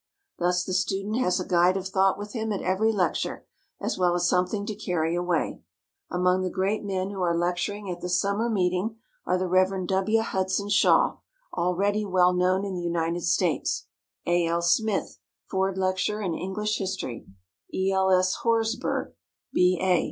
Thus the student has a guide of thought with him at every lecture, as well as something to carry away. Among the great men who are lecturing at the summer meeting are the Rev. W. Hudson Shaw, already well known in the United States; A. L. Smith, Ford lecturer in English History; E. L. S. Horsburgh, B.A.